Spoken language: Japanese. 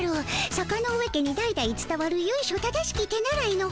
坂ノ上家に代々つたわるゆいしょ正しき手習いの本なのじゃ。